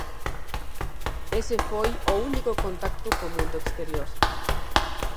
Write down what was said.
Ese foi o único contacto co mundo exterior.